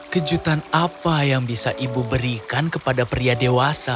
kejutan apa yang bisa ibu berikan kepada pria dewasa